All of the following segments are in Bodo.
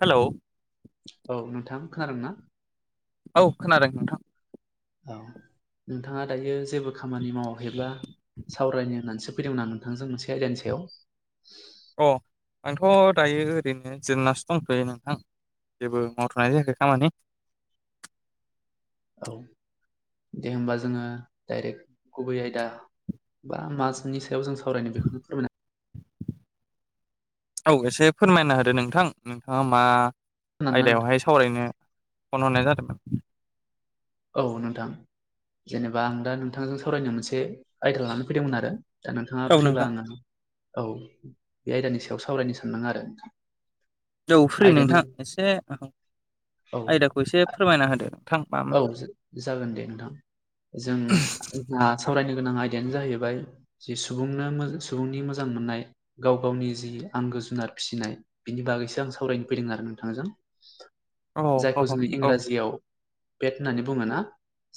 हेलौ औ नोंथां खोनादोंना? औ खोनादों नोंथां औ नोंथाङा दायो जेबो खामानि मावाखैब्ला सावरायनो होननानैसो फैदों आ नोंथांजों मोनसे आयदानि सायाव अ आंथ' दायो ओरैनो जिरायनासो दंथ'यो नोंथां जेबो मावथ'नाय जायाखै खामानि [inaudible] औ दे होमबा जोङो डाइरेक्ट गुबै आयदा बा माजनि सायाव जों सावरायनो बेखौनो फोरमायना औ एसे फोरमायना होदो नोंथां नोंथाङा मा खोनादोंना नोंथां? आयदायावहाय सावरायनो फन हरनाय जादोंमोन औ नोंथां जेनेबा आं दा नोंथांजों सावरायनो मोनसे आयदा लाना फैदोंमोन आरो दा नोंथाङा औ फ्रिबा नोंथां आङो औ बे आयदानि सायाव सावरायनो सानदों आरो नोंथां। औ फ्रि नोंथां एसे औ आयदाखौ एसे फोरमायना होदो नोंथां मामोन औ जागोन दे नोंथां जों सावरायनो गोनां आयदायानो जाहैबाय जि सुबुंनो सुबुंनि मोजां मोननाय गाव गावनि जि आंगो- जिबब जुनार फिसिनाय बिनि बागैसो आं सावरायनो फैदों आरो नोंथांजों। औ औ जायखौ जोङो औ इंराजियाव बेट होननानै बुङोना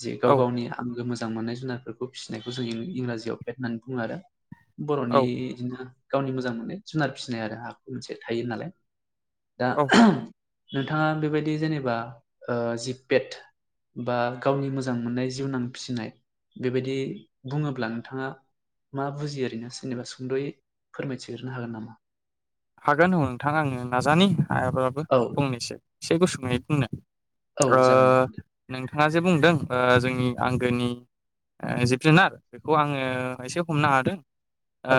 जे गाव गावनि आंगो मोजां। मोजां मोननाय जुनारफोरखौ फिसिनायखौ जों इंराजियाव पेट होननानै बुङो आरो। औ बर'नि बिदिनो गावनि मोजां मोननाय जुनार फिसिनाय आरो आखु मोनसे थायो नालाय दा औ नोंथाङा बेबायदि जेनेबा जि पेट बा गावनि मोजां मोननाय जिउनां फिसिनाय बेबायदि बुङोब्ला नोंथाङा मा बुजियो ओरैनो सोरनिबा सुंद'यै फोरमायथिग्रोनो हागोन नामा? हागोन औ नोंथां आं नाजानि हायाबाबबो औ फंनैसो एसे गुसुङै बुंनो औ ओ जागोन दे। नोंथाङा जे बुंदों जोंनि आंगोनि जिब-जुनार बेखौ आङो एसे हमनो हादों। ओ औ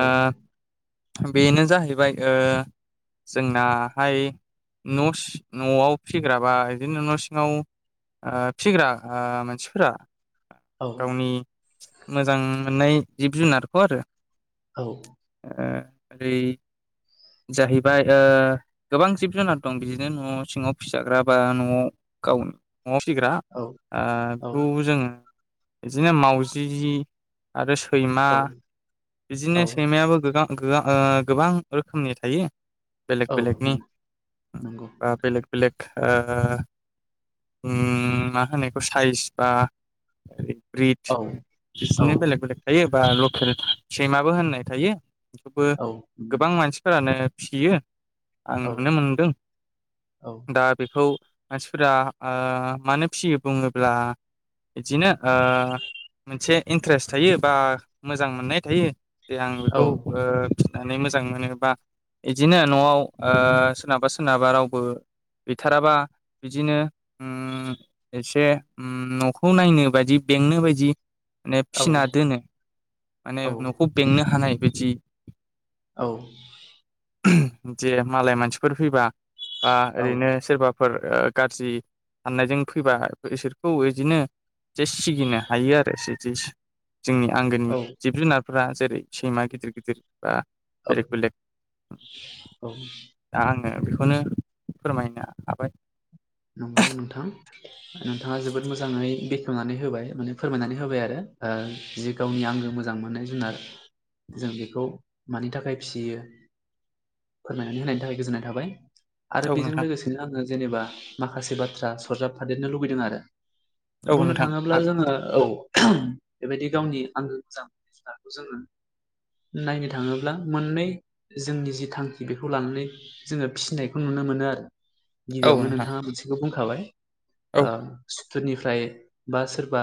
बेनो जाहैबाय ओ जोंनाहाय न'स न'आव फिग्रा बा बिदिनो न' सिङाव आ फिग्रा आ मानसिफोरा औ गावनि मोजां मोननाय जिब जुनारखौ आरो औ ओ ओरै जाहैबाय ओ गोबां जिब-जुनार दं बिदिनो न' सिङाव फिसाग्रा बा न'आव गाव न'आव फिग्रा औ आ औ बेखौ जोङो। बिदिनो माउजि आरो सै सैमा औ औ बिदिनो सैमायाबो गोगां गोबां गोबां रोखोमनि थायो। बेलेक औ बेलेकनि नं- नंगौ बा बेलेक बेलेक ओ ओम मा होनो बेखौ साइज बा हाइ ब्रिद औ औ बिदिनि बेलेक बेलेक थायो बा लकेल सैमाबो होननाय थायो। थेवबो औ गोबां मानसिफोरानो फिसियो आं औ नुनो मोनदों औ दा बेखौ मानसिफोरा आ मानो फियो बुङोब्ला। बिदिनो आ मोनसे इन्ट्रेस्ट थायो बा मोजां मोननाय थायो। दे आं बेखौ ओ फिनानै मोजां मोनो बा बिदिनो न'आव आ सोरनाबा सोरनाबा रावबो गैथाराबा बिदिनो ओम एसे ओम न'खौ नायनो बायदि। बेंनो बायदि माने औ फिना दोनो, माने न'खौ बेंनो हानाय बायदि औ जे मालाय मानसिफोर फैबा बा औ ओरैनो सोरबा फोर ओ गारजि हाननायजों फैबा इसोरखौ इदिनो जे सिगिनो हायो आरो सिजेस जोंनि आंगोनि औ जिब जुनारफोरा जेरै सैमा गिदिर गिदिर बा बेलेग बेलेक औ। ओ बेखौनो फोरमायनो हाबाय। नंगौ नोंथां नोंथाङा जोबोद मोजाङै बेखेवनानै होबाय माने फोरमायनानै होबाय आरो ओ जि गावनि आं मोजां मोननाय जुनार जों बेखौ मानि थाखाय फियो फोरमायनानै होनायनि थाखाय गोजोननाय थाबाय आरो औ बेजों नोंथां लोगोसेनो आङो जेनेबा माखासे बाथ्रा सरजाबफादेरनो लुुबैदों आरो औ बुंनो नोंथां थाङोब्ला जोङो औ बेबायदि गावनि आंगो मोजां जुनारखौ जोङो नायनो थाङोब्ला मोननै जोंनि जि थांखि बेखौ लानानै जोङो फिसिनायखौ नु नो मोनो आरो औ गिबियावनो नोंथां नोंथाङा मोनसेखौ बुंखाबाय औ आ सोरनिफ्राय बा सोरबा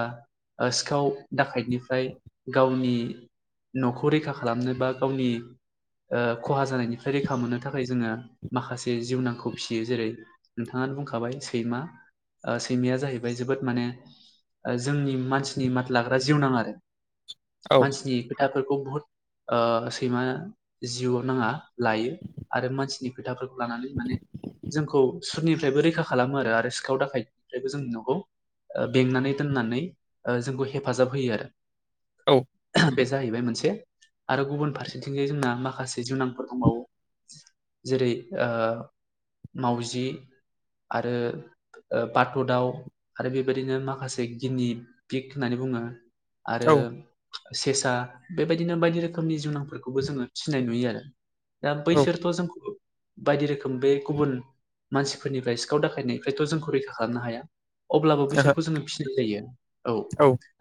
आ सिखाव दाखायदनिफ्राय गावनि न'खौ रैखा खालामनो बा गावनि ओ खहा जानायनिफ्राय रैखा मोननो थाखाय जोङो माखासे जिउनांखौ फिसियो जेरै नोंथाङानो बुं आबाय सैमा आ सैमाया जाहैबाय जोबोद माने जोंनि मानसिनि माथ लाग्रा जिउ नाङा आरो। औ मानसिनि खोथाफोरखौ बुहुत ओ सैमा जिउआव नाङा लायो आरो मानसिनि खोथाफोर लानानै माने जोंखौ सुरनिफ्रायबो रैखा खालामो आरो सिखाव दाखायनिफ्रायबो जों न'खौ ओ बेंनानै दोननानै जोंखौ हेफाजाब होयो आरो औ। बे जाहैबाय मोनसे आरो गुबुन फारसेथिंजाय जोंना माखासे जुनांफोर मावयो। जेरै ओ मावजि आरो बाथ' दाव आरो बेबायदिनो माखासे गिनि पिक होननानै बुङो आरो औ सेसा बेबायदिनो बायदि रोखोमनि जुनांफोरखौबो जोङो थिनाय नुयो आरो। दा बैसोरथ' जों बायदि रोखोम बे गुबुन मानसि फोरनिफ्राय सिखाव दाखायनायनिफ्रायथ' जोंखौ रैखा खालामनो हाया अब्लाबो ओहो बिसोरखौ जोङो फिसिनाय जायो औ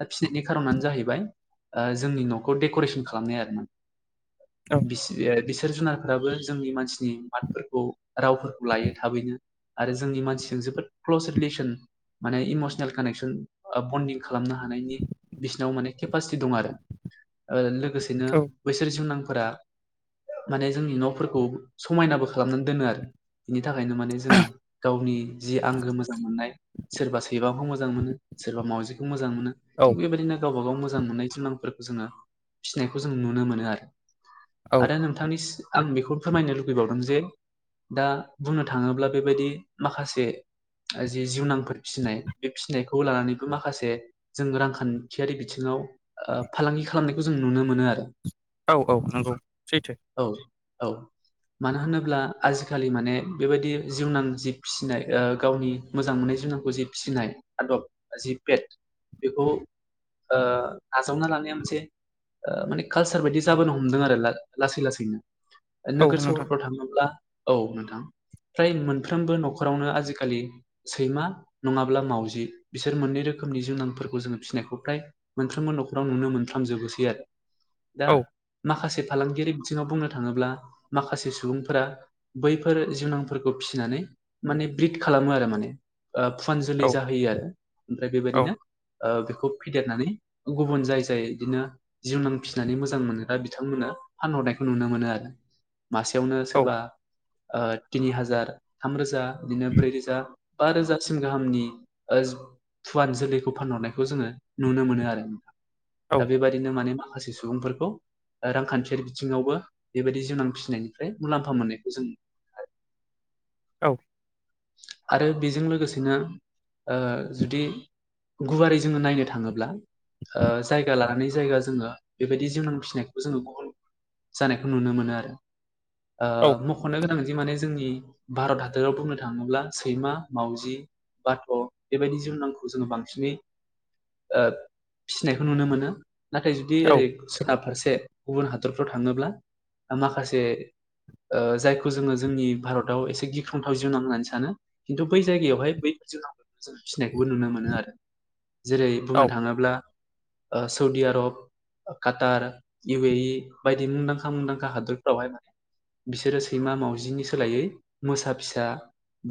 दा फिनायनि खारननानो जाहैबाय आ जोंनि न'खौ डेक'रेसन खालामनाय आरो ना बिस एआ बिस फेर जुनारफोराबो जोंनि मानसिनि मादफोरखौ रावफोरखौ लायो थाबैनो आरो जोंनि मानसिजों जोबोद क्लस रिलेसन माने इमसनेल कानेक्सन आ बन्दिं खालामनो हानायनि बिसिनाव माने केपासिटि दं आरो लोगोसेनो औ बैसोर जिउनांग फोरा माने जोंनि न'फोरखौ समायनाबो खालामनानै दोनो आरो बिनि थाखायनो माने जोङो गावनि जि आंगो मोजां मोननाय सोरबा सैबांखौ मोजां मोनो सोरबा मावजिखौ मोज मोजां मोनो औ थिं बेबायदिनो गावबा गाव मोजां मोननाय जुनांफोरखौ जोङो फिसिनायखौ जों नुनो मोनो आरो औ आरो नोंथांनिसि आं बेखौ फोरमायनो लुुबैबावदों जे दा बुंनो थाङोब्ला बेबायदि माखासे आ जि जिउनांफोर फिसिनाय बे फिसिनायखौ लानानैबो माखासे जों रांखान्थियारि बिथिङाव आव फालांगि खालामनायखौ जों नुनो मोनो आरो। औ औ नंगौ सैथो। औ औ मानो होनोब्ला आजिखालि माने बेबायदि जिउनां जि फिसिनाय ओ गावनि मोजां मोननाय जुनांखौ जि फिसिनाय आदब जि पेट बेखौ ओ आजावना लानाया मोनसे ओ माने कालसार बायदि जाबोनो हमदों आरो ला लासै लासैनो। औ ओनोगोर नोंथां सहरफ्राव थाङोब्ला औ नोंथां। फ्राय मोनफ्रोमबो न'खरावनो आजिखालि सैमा नङाब्ला मावजि बिसोर मोननै रोखोम नि जुनांफोरखौ जोङो फिनायखौ फ्राय मोनफ्रोमबो न'खराव नुनो मोनफ्राम जोबोसै आरो। दा औ माखासे फालांगियारि बिथिङाव बुंनो थाङोब्ला माखासे सुबुंफोरा बैफोर जिउनां फोरखौ फिनानै माने ब्रिद खालामो आरो माने। ओ औ फुवानजुलि जाहोयो आरो ओमफ्राय औ बेबायदिनो ओ बेखौ फेदेरनानै गुबुन जाय जाय इदिनो जिउनां फिनानै मोजां मोनग्रा बिथांमोना फानहरनायखौ नुनो मोनो आरो। मासेयावनो सोरबा ओ तिनि हाजार थामरोजा इदिनो ब्रै रोजा बा रोजासिम गाहामनि ओज फुवान जोलैखौ फानहरनायखौ जोङो नुनो मोनो आरो दा बेबायदिनो माने मा माखासे सुबुंफोरखौ ओ रांखान्थियारि बिथिङावबो बेबायदि जिउनां फिसिनायनिफ्राय मुलाम्फा मोननायखौ जों औ आरो बेजों लोगोसेनो ओ जुदि गुवारै जोङो नायनो थाङोब्ला ओ जायगा लानानै जायगा जोङो बेबायदि जिउनां फिसिनायखौ जोङो गुबुन जानायखौ नुनो मोनो आरो ओ मख'नो गोनां जे बे जोंनि भारत हादराव बुंनो थाङोब्ला सैमा माउजि बाथ' बेबायदि जिउनांखौ जोङो बांसिनै ओ फिसिनायखौ नुनो मोनो नाथाय जुदि औ ओरै सोनाब फारसे गुबुन हा दरफोराव थाङोब्ला ओमाखासे ओ जाय खौ जोङो जोंनि भारताव एसे गिख्रंथाव जिउनां होननानै सानो खिन्थु बै जायगायावहाय बै [inaudible] नायखौबो नुनो मोनो आरो जेरै बुंनो औ थाङोब्ला ओ सौदिआरब ओ काटार इउ ए इ बायदि मुंदांखा मुंदांखा हादोरफ्रावहाय माने बिसोरो सैमा मावजिनि सोलायै मोसा फिसा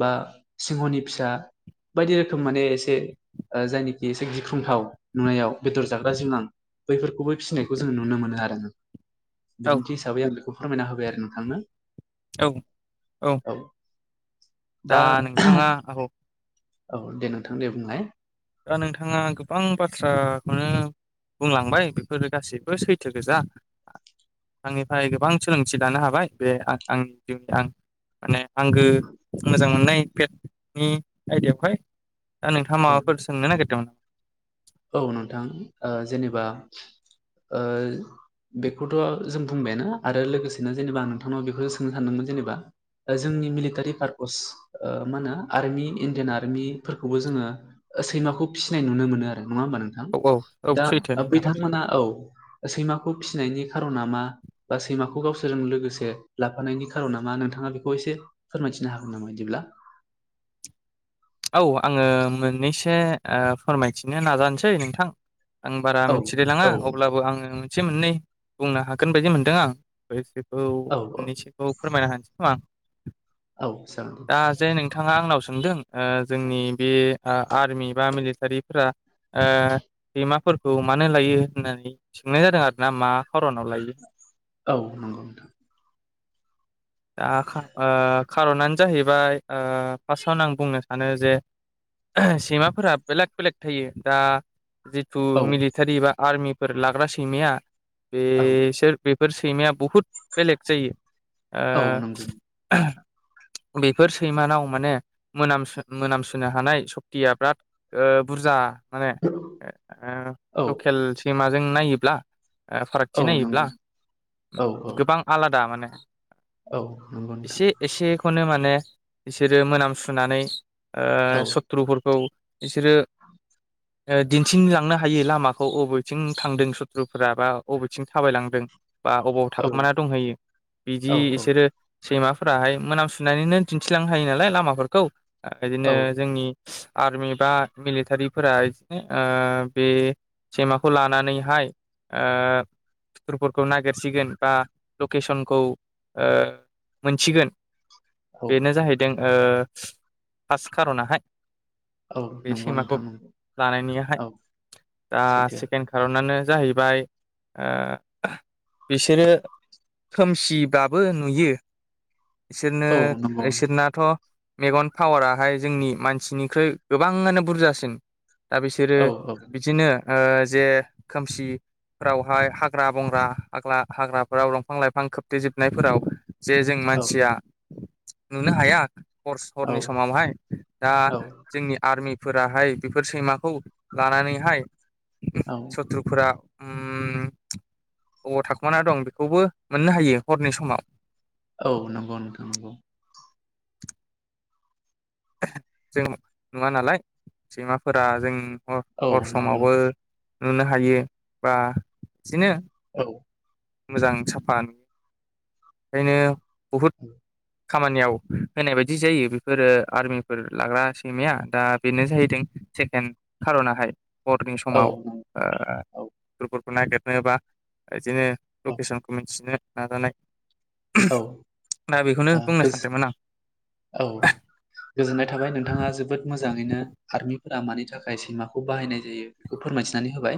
बा सिंहनि फिसा बायदि रोखोम माने एसे ओ जायनोखि एसे गिख्रंथाव नुनायाव बेदर जाग्रा जिउनां बैफोरखौबो फिनायखौ जों नुनो मोनो आरो नों औ बिदिन्थि हिसाबै आं बेखौ फोरमायना होबाय आरो नोंथांनो औ औ दा नोंथाङा आंखौ औ दे नोंथां दे बुंलाय दा नोंथाङा गोबां बाथ्रा खौनो बुंलांबाय बेफोरो गासैबो सैथो गोजा थांनिफाय गोबां सोलोंथि दानो हाबाय बे आं आंनि जिउनि आंनि माने आंगो मोजां मोननाय पेटनि आयदायावहाय दा नोंथाङा औ माबा [unintelligible] औ नोंथां ओ जेनेबा ओ बेखौथ' जों बुंबायानो आरो लोगोसेनो जेनेबा आं नोंथांनाव बेखौसो सोंनो सानदोंमोन जेनेबा ओ जोंनि मिलिटारि पार्पस ओ मा नो आर्मि इण्डियान आर्मिफोरखौबो जोङो ओ सैमाखौ फिसिनाय नुनो मोनो आरो नङा होमबा नोंथां औ औ औ दा सैथो नोंथां बिथांमोना औ सैमाखौ फिसिनायनि खार'ना मा बा सैमाखौ गावसोरजों लोगोसे लाफानायनि खार'ना मा नोंथा ङा बेखौ एसे फोरमायथिनो हागोन नामा इदिब्ला औ आङो मोननैसो ओ फोरमायथिनो नाजानोसै नोंथां आं बारा औ मिन्थिलायलाङा औ अब्लाबो आङो मोनसे मोननै बुंनो हागोन बायदि मोनदों आं [unintelligible] औ औ मोननैसोखौ फोरमायना हानसै खोमा आं औ जागोन दे दा नोंथां। जे नोंथाङा आंनाव सोंदों ओ जोंनि बे आ आर्मि बा मिलिटारिफोरा ओ‌ सैमाफोरखौ मानो लायो होननानै सोंनाय जादों आरोना मा खरनाव लायो औ नंगौ नोंथां दा ओ खारनानो जाहैबाय ओ फार्स्टआवनो आं बुंनो सानो जे सैमाफोरा बेलेक बेलेक थायो दा जिथु औ मिलिटारि बा आर्मिफोर लाग्रा सैमाया औ बेसोर बे फोर सैमाया बुहुद बेलेग जायो औ नंगौ ओ बेफोर सैमानाव माने मोनामसु मोनामसुनो हानाय सक्तिया बिराद ओ बुरजा माने ओ औ लकेल सैमाजों नायोब्ला औ फारागथि नंगौ नायोब्ला औ गोबां आलादा माने औ नंगौ नोंथां खौनो माने बिसोरो मोनामसुनानै ओ औ सथ्रुफोरखौ बिसोरो ओ दिन्थिलांनो हायो हायै लामाखौ अबेथिं थांदों सुथ्रुफोरा बा अबेथिं थाबायलांदों बा अबाव औ थाखोमा दंहैयो बिदि औ औ बिसोरो सैमाफोराहाय मोनामसु सुनानैनो दिन्थिलांनो हायो नालाय लामाफोरखौ बिदिनो औ जोंनि आर्मि बा मिलिटारिफोरा बिदिनो ओ बे सैमाखौ लानानैहाय ओ सुथुरफोरखौ नागिरसिगोन बा लकेसनखौ ओ मोनसिगोन औ बेनो जाहैदों ओ फार्स्ट खारनाहाय औ बे नंगौ सैमाखौ नोंथां नंगौ लानायनियाहाय औ दा सैथो सेकेन्ड कारनानो जाहैबाय ओ बिसोरो खोमसिबाबो नुयो बिसोरनो औ नंगौ बिसोरनाथ मेगन पावाराहाय जोंनि मानसिनिख्रुइ गोबाङानो बुरजासिन दा बिसोरो औ औ बिदिनो ओ जे खोमसि फोरावहाय हाग्रा बंग्रा हाग्रा हाग्राफोराव दंफां लाइफां खोबथेजोबनायफोराव जे जों औ मानसिया नुनो हाया हर औ हरनि समावहाय दा औ जोंनि आर्मि फोराहाय बेफोर सैमाखौ लानानैहाय औ सत्रुफोरा उम बबाव थाखुमाना दं बेखौबो मोननो हायो हरनि समाव औ नंगौ नोंथां नंगौ जों नुवा नालाय सैमाफोरा जों औ हर नंगौ समावबो नुनो हायो बा बिदिनो औ मोजां साफानो ओंखायनो बहुद खामानियाव होनाय बायदि जायो बेफोरो आर्मिफोर लाग्रा सैमाया दा बेनो जाहैदों सेकेन्ड खारनाहाय मरनिं औ समाव ओ औ गफोरखौ [inaudible] नागिरनोबा बिदिनो औ लकेसनखौ मिन्थिनो नाजानाय औ ओ दा बेखौनो बुंनो सानदोंमोन आं औ गोजोननाय थाबाय नोंथाङा जोबोर मोजाङैनो आर्मि फोरा मानि थाखाय सैमाखौ बाहायनाय जायो बेखौ फोरमायथिनानै होबाय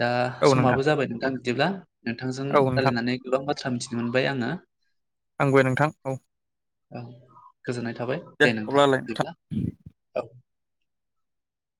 दा औ नोंथां समाबो जाबाय नोंथां बिदिब्ला नोंथांजों औ नोंथां रायजलायनानै गोबां बाथ्रा मिथिनोमोन बाय आङो आंगौय [inaudible] नोंथां औ औ गोजोननाय थाबाय दे नोंथां बिदिब्ला औ